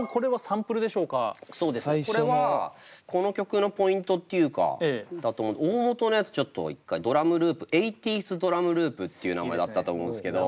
これはこの曲のポイントっていうか大本のやつちょっと一回ドラムループエイティーズドラムループっていう名前だったと思うんすけど。